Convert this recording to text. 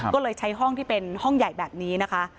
ก็เลยใช้ห้องที่เป็นห้องใหญ่แบบนี้นะคะ